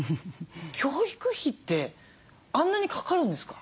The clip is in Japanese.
教育費ってあんなにかかるんですか？